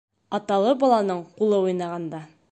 Аталы баланың ҡулы уйнағанда